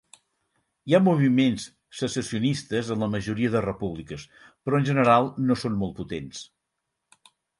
Hi ha moviments secessionistes en la majoria de repúbliques, però en general no són molt potents.